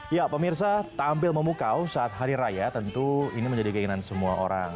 ya pemirsa tampil memukau saat hari raya tentu ini menjadi keinginan semua orang